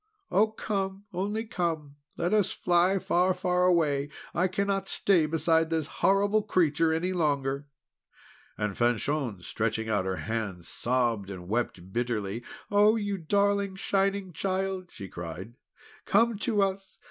Oh, come! Only come! Let us fly far, far away! I cannot stay beside this horrible creature any longer." And Fanchon, stretching out her hands, sobbed and wept bitterly. "Oh, you darling Shining Child," she cried. "Come to us!